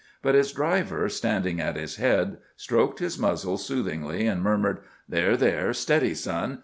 But his driver, standing at his head, stroked his muzzle soothingly and murmured: "There, there, steady, Son!